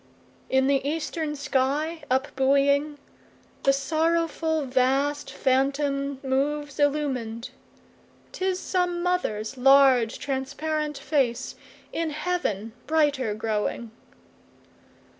7In the eastern sky up buoying, The sorrowful vast phantom moves illumin'd;('Tis some mother's large, transparent face, In heaven brighter growing.)